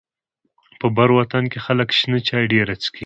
په بر وطن کې خلک شنه چای ډيره څکي.